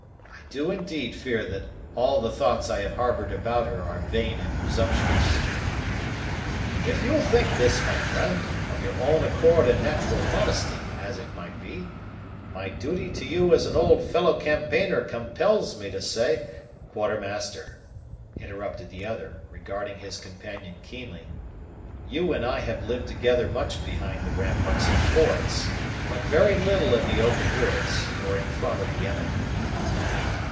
I do indeed fear that all the thoughts I have harbored about her are vain and presumptuous." "If you think this, my friend, of your own accord and natural modesty, as it might be, my duty to you as an old fellow campaigner compels me to say " "Quartermaster," interrupted the other, regarding his companion keenly, "you and I have lived together much behind the ramparts of forts, but very little in the open woods or in front of the enemy."